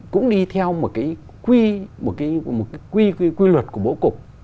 cũng đi theo một cái quy luật của bố cục